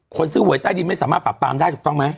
ซื้อหวยใต้ดินไม่สามารถปรับปรามได้ถูกต้องไหม